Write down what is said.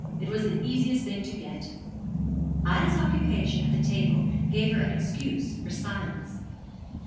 It was the easiest thing to get.' Ida's occupation at the table gave her an excuse for silence.